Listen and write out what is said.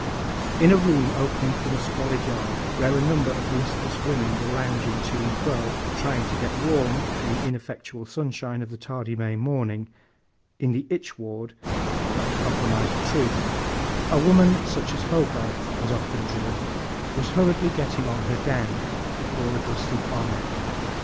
In a room opening from a squalid yard, where a number of listless women were lounging to and fro, trying to get warm in the ineffectual sunshine of the tardy May morning—in the 'Itch Ward,' not to compromise the truth—a woman such as HOGARTH has often drawn, was hurriedly getting on her gown before a dusty fire.